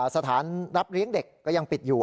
สถานรับเลี้ยงเด็กก็ยังปิดอยู่